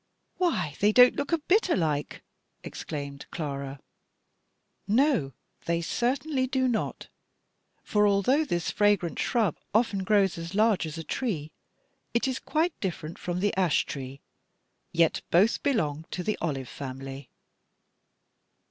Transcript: "Why, they don't look a bit alike," exclaimed Clara. "No, they certainly do not; for, although this fragrant shrub often grows as large as a tree, it is quite different from the ash tree. Yet both belong to the olive family."